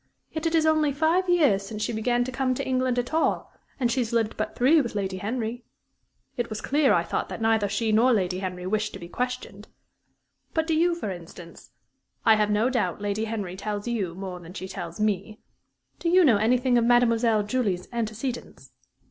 Yet it is only five years since she began to come to England at all; and she has lived but three with Lady Henry. It was clear, I thought, that neither she nor Lady Henry wished to be questioned. But, do you, for instance I have no doubt Lady Henry tells you more than she tells me do you know anything of Mademoiselle Julie's antecedents?"